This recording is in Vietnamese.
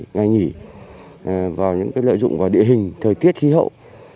ngày nghỉ và những lợi dụng vào địa hình thời tiết khí hậu